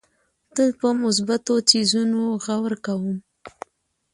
تل په مثبتو څیزونو غور کوم.